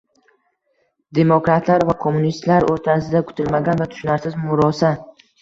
demokratlar va kommunistlar o‘rtasida kutilmagan va tushunarsiz murosa